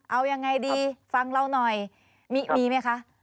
เอายังไงดีฟังเราหน่อยมีไหมคะ